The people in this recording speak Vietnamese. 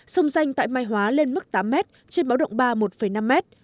sông danh tại mai hóa lên mức tám m trên báo động ba một năm m